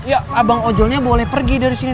ya abang ojolnya boleh pergi dari sini